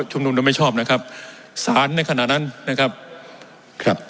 นุมโดยไม่ชอบนะครับสารในขณะนั้นนะครับครับ